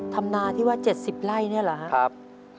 ธรรมนาที่ว่า๗๐ไร่นี่หรือครับครับ